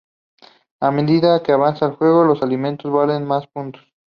A medida que avanza el juego, los alimentos valen más puntos.